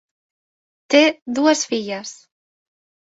Té dues filles.